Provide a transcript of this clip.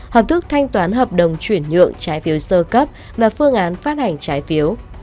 hợp thức thanh toán hợp đồng chuyển nhượng trái phiếu sơ cấp và phương án phát hành trái phiếu